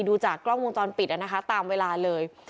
ดูจากกล้องวงจรปิดนะคะตามเวลาเลย